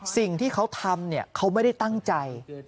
สิ่งที่เขาทำเขาไม่ได้ตั้งใจ